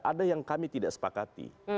ada yang kami tidak sepakati